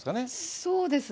そうですね。